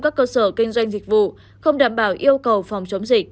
các cơ sở kinh doanh dịch vụ không đảm bảo yêu cầu phòng chống dịch